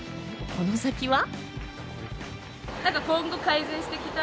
この先は？